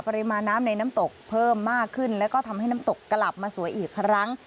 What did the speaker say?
ปริมาณน้ำในน้ำตกเพิ่มมากขึ้นแล้วก็ทำให้น้ำตกกลับมาสวยอีกครั้ง